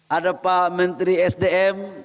ada pak menteri sdm